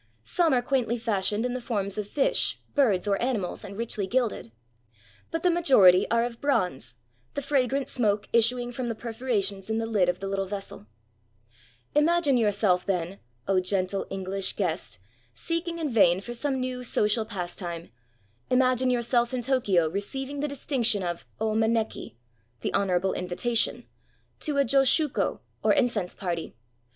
Some are quaintly fashioned in the forms of fish, 408 AN INCENSE PARTY birds, or animals, and richly gilded; but the majority are of bronze, the fragrant smoke issuing from perfora tions in the lid of the Uttle vessel. Imagine yourself, then, — oh, gentle EngUsh guest! seeking in vain for some new social pastime — imagine yourself in Tokyo receiving the distinction of 0 maneki — the honorable invitation — to a josshuko, or incense party.